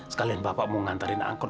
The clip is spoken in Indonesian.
sekalian bapak mau ngantarin angkot